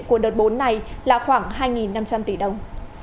của đợt bốn này là khoảng hai năm trăm linh tỷ đồng